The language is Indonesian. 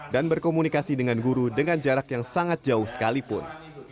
dan berkomunikasi dengan guru dengan jarak yang sangat jauh sekalipun